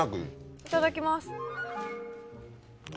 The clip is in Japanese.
いただきます。